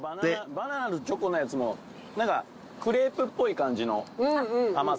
バナナとチョコのやつも何かクレープっぽい感じの甘さ。